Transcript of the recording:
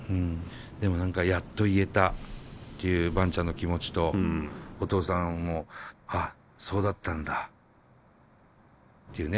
でも何かやっと言えたっていうバンちゃんの気持ちとお父さんもあっそうだったんだっていうね